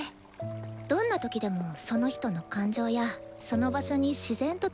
どんな時でもその人の感情やその場所に自然と溶け込めるっていうか。